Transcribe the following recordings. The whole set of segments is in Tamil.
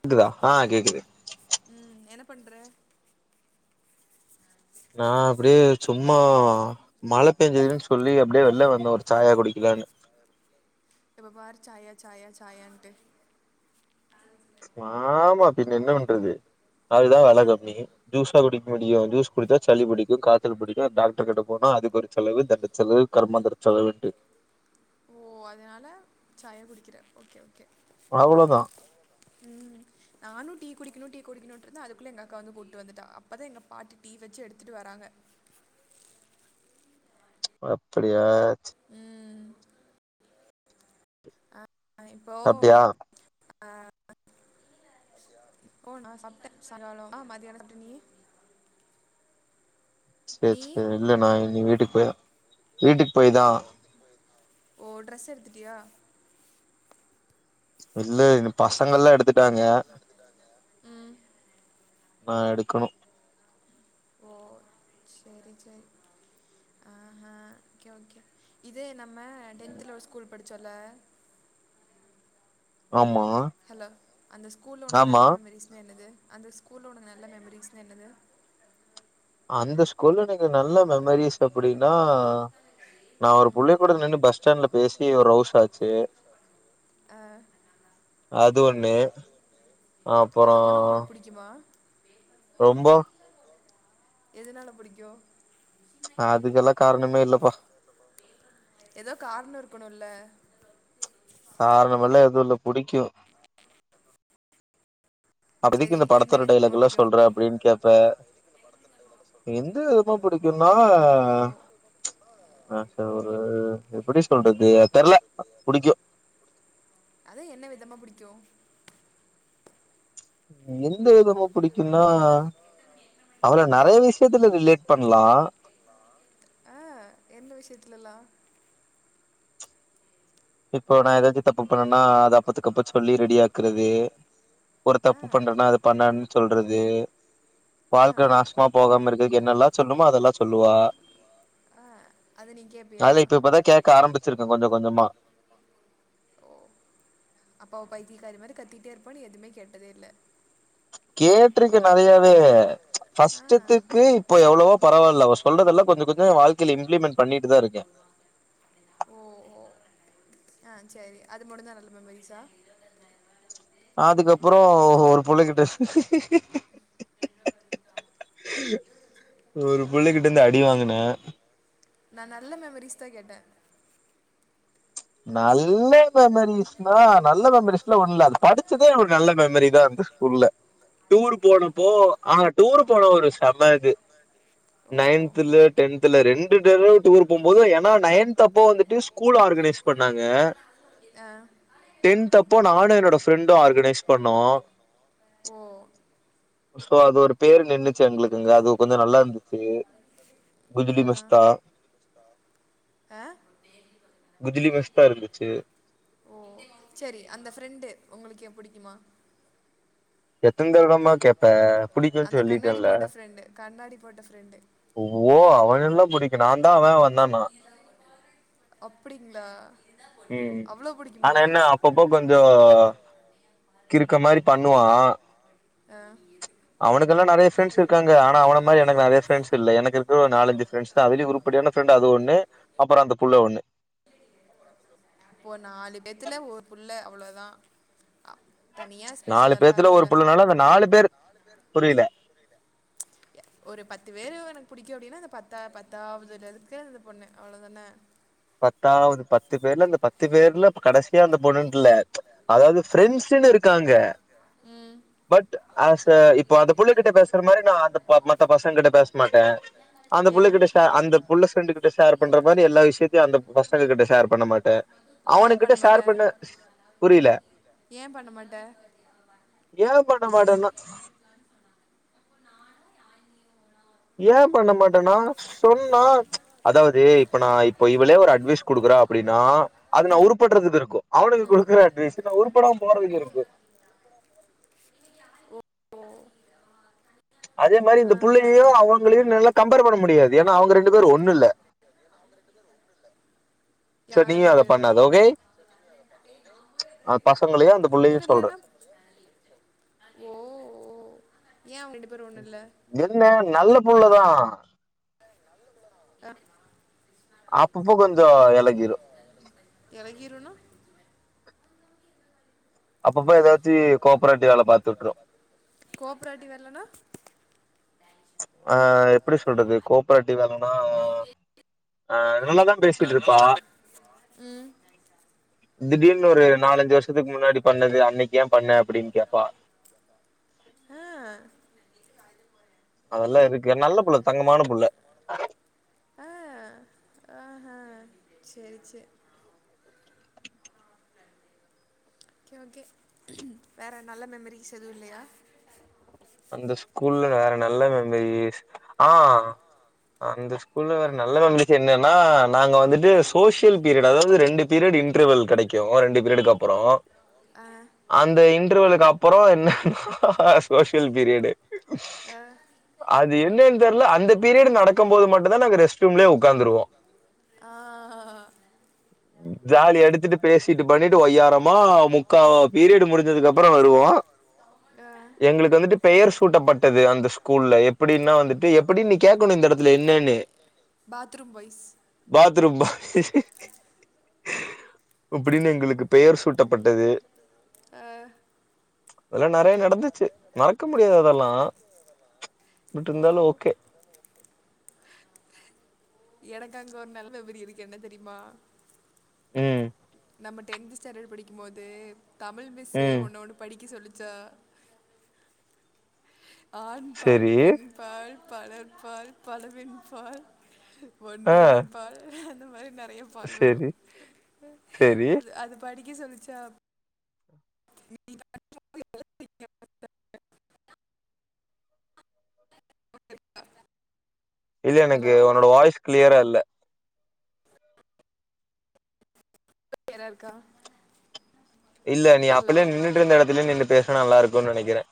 கேக்குதா ஆ கேக்குது பண்ற நா அப்டியே சும்மா மழ பெஞ்சதுன்னு சொல்லி அப்டியே வெளில வந்தோ ஒரு சாயா குடிக்கலானு எப்ப பாரு சாய சாய சாய ன்ட்டு ஆமா பின்ன என்ன பண்றது அதுதா வெல கம்மி ஜூசா குடி முடியு ஜுஸ் குடிச்சா சளி பிடிக்கும் காய்சல் பிடிக்கும் டாக்டர் கிட்ட போனா அதுக்கு ஒரு செலவு தண்ட செலவு கர்மாந்திர செலவுன்ட்டு ஓகே ஓகே அவ்ளதா உம் நானு டீ குடிக்கணு டீ குடிக்கணும்ன்றந்தே அதுக்குள்ள எங்க அக்கா வந்து கூட்டுட்டு வந்துட்டா அப்பதா எங்க பாட்டி டீ வச்சு எடுத்துட்டு வராங்க அப்படியா உம் அ இப்போ அஹ் போ நா சாப்ட்டே சாயங்கால மதியான சாப்ட்டே நீ சேரி சேரி யில்ல நா இனி வீட்டுக்கு போய்தா வீட்டுக்கு போய்தா ஓ டிரெஸ் எடுத்துட்டியா இல்ல இன்னு ஃப்ஸ் சங்கல்லா எடுத்துட்டாங்க. நா எடுக்கணு ஓ சேரி சேரி, ஆ ஓகே ஓகே இது நம்ம டென்த்துல ஒரு ஸ்கூல் படிச்சோல ஹலோ அந்த ஸ்கூல்ல உனக்கு நல்ல மெமரிஸ்னா என்னது அந்த ஸ்கூல்ல நல்ல மெமரிஸ்ன்னு என்னது அந்த ஸ்கூல்ல எனக்கு நல்ல மெமரிஸ் அப்படின்னா நா ஒரு பிள்ள கூட நின்னு பஸ் ஸ்டாண்ட்ல பேசி ஒரு ரவுஸ் ஆச்சு அது ஒண்ணு அப்பறோ ரொம்ப எதுனால புடிக்கு அதுக்கெல்லா காரணமே இல்லப்பா ஏதோ காரணம் இருக்கணு இல்ல காரணமல்ல எதுவு இல்ல புடிக்கு அப்பதைக்கு இந்த படத்தோட டைலாக்ல்லா சொல்ற அப்படின் கேப் ப்ப. எந்து ரொம்ப பிடிக்கும்னா ஆ ச ஒரு எப்படி சொல்றது தெர்ல புடிக்கும். எந்த விதமா பிடிக்கும்ன்னா அவள. நெறைய விஷயத்துல ரிலேட் பண்லா இப்போ நா ஏதாச்சு தப்பு பண்ணேன்னா அது அப்பத்துக்கு அப்ப சொல்லி ரெடி ஆக்குறது ஒரு தப்பு பண்றேன்னா அது பண்ணன் சொல்றது வாழ்க்க நாசமா போகாம இருக்குறக்கு என்னெல்லா சொல்னுமோ அதெல்லா சொல்லுவா அதலா இப்ப இப்பதா கேக்க ஆரம்பிச்சிருக்கே கொஞ்ச கொஞ்சமா. அப்ப அவ பைத்தியக் காரி மாரி கத்தி த்ப்பான்னு எதுவுமே கேட்டதே இல்ல கேட்டுருக்க நறையாவே. ஃபஸ்ட்த்துக்கு இப்போ எவ்வளவோ பரவால்ல அவ சொல்றதெல்லா கொஞ்ச சொஞ்சோ எ வாழ்கைல இப்ளிமெண்ட் பண்ணி இதா இருக்கே ஆ சேரி, அது மட்டுந்தா நல்ல மெமரிஸ்ஸா அதுக்கப்றோ ஒரு புள்ளைகிட்ட ஒரு புள்ளைகிட்ட இருந்து அடி வாங்கினே நான் நல்ல மெமரிஸ் தா கேட்ட நல்ல மெமரிஸ்னா நல்ல மெமரிஸ்லா ஒண்ணு இல்ல அது படிச் ச்சதே ஒரு நல்ல மெமரி தா அந்த ஸ்கூல்ல டூர் போனப்போ ஆ டூர் போன ஒரு செம இது நையன்த்துல டென்த்துல ரெண்டு தடவ டூர் போம்போதும் ஏன்னா நையன் த் அப்ப வந்துட்டு ஸ்கூல் ஆர்கனைஸ் பண்ணாங்க, டென்த் அப்போ நானு என்னோட ஃபிரண்டும் ஆர்கனைஸ் பண்ணோ சோ அது ஒரு பேரு நின்னுச்சு எங்களுக்கு அங்க அது கொஞ்சோ நல்லா இருந்துச்சு குஜிலி மஸ்தா குஜிலி மஸ்தா இருந்துச்சு சரி அந்த ஃப்ரெண்டு உங்களுக்கு ஏ புடிக்குமா எத்தனந்த க மா கேப்ப புடிக்கும்ன்னு சொல்லிட்டேன்ல ஒவோ அவ எல்லா முடிக்க நாந்தா அவ அவந்தா நா அப்டிங்களா உம் ஆனா என்ன அப்பப்போ கொஞ்ச கிருக்க மாரி பண்ணுவா அவனுக்குக்கெல்லா நெறய ஃரெண்ட்ஸ்க்காங்க ஆனா அவன மாரி எனக்கு நெறைய ஃப்ரெண்ட்ஸ் இல்ல எனக்கு இருக்கிற ஒரு நாலஞ்சு ஃப்ரெண்ட்ஸ் தா அதலயு உருப்படியான ப்ண்ட அது ஒண்ணு அப்றோ அந்த புள்ள ஒண்ணு இப்போ நாலு பேத்துல ஒரு புள்ள அவ்ளோ [unintelligible] நாலு பேத்துல ஒரு புள்ளுனாலு அந்த நாலு பேர் புரியல ஒரு பத்து பேரு எனக்கு புடிக்கு அப்டின்னா அ பத்தா பத்தாவது அதுக்கு அது பொண்ணு அவ்வளவுதான பத்தாவது பத்து பேர்ல இந்த பத்து பேர்ல கடைசியா அந்த பொண்ணுட்டுல்ல அதாவது பிரென்ஷுன்னு இருக்காங்க பட் ஆச இப்ப அந்த புள்ள கிட்ட பேசுற மாரி நா அந்த ம மத்த பசங்ககிட்ட பேச மாட்டே அந்த புள்ள கிட்ட ஷேர் அந்த புள்ள பிரிண்ட் கிட்ட ஷேர் பண்ற மாரி எல்லா விஷயத் அந்த பசங்க கிட்ட ஷேர் பண்ண மாட்டே அவனு கிட்ட ஷேர் பண்ண புரியல ஏ பண்ண மாட்டனா ஏன் பண்ண மாட்டேனா சொன்னா அதாவது இப்ப நான் இப்ப இவளே ஒரு அட்வைஸ் குடுக்குறே அப்படின்னா அது நா உருப்படுறதுக்கு இருக்கு அவனுக்கு கு டுக்குற அட்வைஷ் உருப்படாம போறதுக்கு இருக்கு உம் அதே மாரி இந்த புள்ளையையு அவங்களையு நல்லா கம்பேர் பண்ண முடியாது ஏன்னா அவங்க ரெண்டு பேரு ஒண்ணு இல்ல சரி நீயு அத பண்ணாத ஓகே அ பசங்களையு அந்த புள்ளையு சொல்றே ஏ உங்கிட்ட என்ன நல்லப் உள்ளதா ஆஹ் அப்பப்பக்கொஞ்ச எலகரு எலகீரன அப்பப்ப எதாச்சி கோபராட்டி வேல பாத்துட்ரு ஆ எப்படி சொல்றது கோபராட்டி வேலன்னா ஆ நல்லாதா பேசிட்ருப்பா திடீர்னு ஒரு நாலஞ்சு வருஷத்துக்கு முன்னாடி பண்ணது அன்னைக் ஏ பண்ண அப்படின்னு கேப்பா ஆ ஹ செரி செர் ஓகே ஓகே வேற நல்ல மெமரிஸ் எதுவு இல்லையா அந்த ஸ்கூல்ல வேற நல்ல மெமரிஸ் ஆ அந்த ஸ்கூல்ல வேற நல்ல மெமரிஸ் என்னன்னா நாங்க வந்துட்டு சோசியல் பீரியட் அதாவது ரெண்டு பீரியட் இன்ட்ரவல் கெடைக்கு ரெண்டு பீரியடுக்கு அப் பறோ அந்த இன்டர்வலுக்கப்பறோ என்னன்னா சோஷி பீரியடு அது என்னன் தெர்ல அந்த பீரியடு நடக்கும் போது மட்டுந்தா நாங்க ரெஸ்ட் ரூம்லயே உக்காந்துருவோ ஜாலி எடுத்துட்டு பேசிட்டு பண்ணிட்டு ஒய்யாரமா முக்கா பீரியடு முடிஞ்சதுக்கு அப்பற வருவோ எங்க வந்துட்டு பெயர் சூட்டப்பட்டது அந்த ஸ்கூல்ல எப்படின்னா வந்துட்டு எப்படினு நீ கேக்கணு இந்த எடத்துல என்னன்னு பாத்ரூம் பா அப்படின்னு எங்களுக்கு பெயர் சூட்டப்பட்டது ஆ அதெல்லா நெறையா நடந்துச்சு மறக்க முடியாது அதெல்லா பட் இருந்தாலு ஓகே எனக்கு அங்க ஒரு நெலமை அப்டி இருக்கு என்ன தெரிமா ம் நம்ம டென்த்து ஸ்டாண்டர்ட் படிக்கும்போது தமிழ் மிஸ்ஸு உன்ன ஒன்னு படிக்க சொல்லு ச்சா ஆண்பால் பெண்பால் பலர்பால் பலவின் பால் ஒன்றன் பால் அந்த மா நெறைய பால் வரு செரி படிக்க சொல்லுச்சா [inaudible] [inaudible] [inaudible] இல்ல எனக்கு உன்னோட வாய்ஸ் கிளியரா இல்ல இப்ப கிளியரா இருக்கா இல்ல நீ அப்பலே நின்னுட்டு இருந்த எடத்துலயே நின்னு பேசுனா நல்லா இருக்கும் நெனைக்கிறே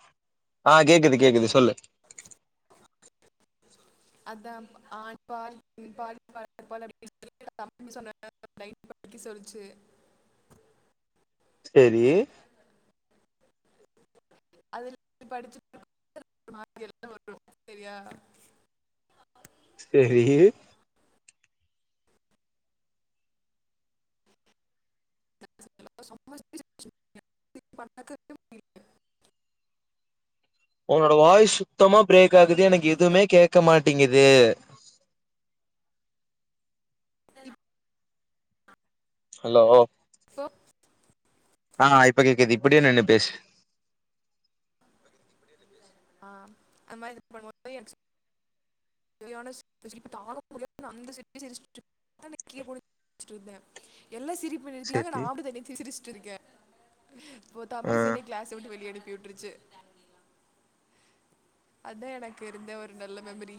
ஆ கேக்குது கேக்குது சொல்லு அதான் ஆண்பால் பெண்பால் பலவின் சொல்ல படிக்க சொல்ச்சு செரி அதுல படிச்சு [inaudible] செரியா செரி [inaudible] உன்னோட வாய்ஸ் சுத்தமா பிரேக் ஆகுது எனக்கு எதுவுமே கேக்க மாட்டே மாட்டிங்குது செரி ஹலோ ஃபோ ஆ இப்ப கேக்குது இப்படியே நின்னு பேசு ஆ அந்த மாரி பண்ணுவ [unintelligible] [unintelligible] [unintelligible] நா [unintelligible] ஒரு தமிழ் இசை க்ளாஸ விட்டு வெளி ஏற கி உட்ருச்சு அதா எனக்கு இருந்த ஒரு நல்ல மெமரி